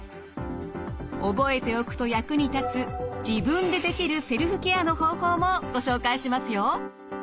覚えておくと役に立つ自分でできるセルフケアの方法もご紹介しますよ。